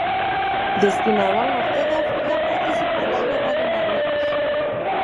Destinado al Norte de África, participó en la Guerra de Marruecos.